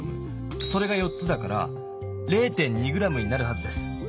それが４つだから０．２ｇになるはずです。